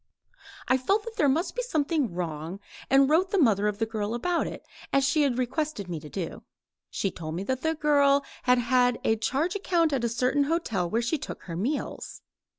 I felt that there must be something wrong and wrote the mother of the girl about it, as she had requested me to do. She told me that the girl had a charge account at a certain hotel where she took her meals.